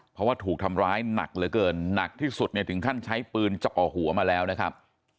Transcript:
เพราะว่าถูกทำร้ายหนักเหลือเกินหนักที่สุดเนี่ยถึงขั้นใช้ปืนเจาะหัวมาแล้วนะครับ